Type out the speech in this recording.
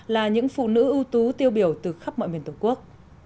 là những phụ nữ ưu tú tiêu biểu từ khắp mọi miền tổ quốc